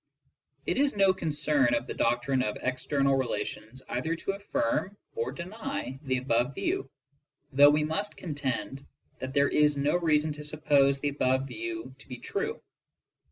It is no concern of the doc trine of external relations either to affirm or deny the above view, though we must contend that there is no reason to suppose the above view to be true.